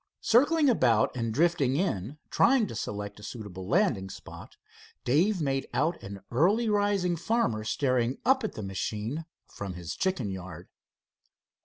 Circling about and drifting in trying to select a suitable landing spot, Dave made out rising farmer staring up at the machine from his chicken yard.